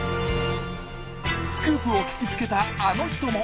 スクープを聞きつけたあの人も。